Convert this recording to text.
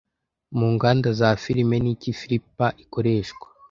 Mu nganda za firime niki flipper ikoreshwa